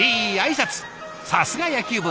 さすが野球部。